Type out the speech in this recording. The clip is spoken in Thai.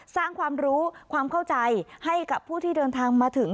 สร้างความรู้ความเข้าใจให้กับผู้ที่เดินทางมาถึง